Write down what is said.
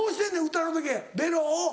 歌の時ベロを。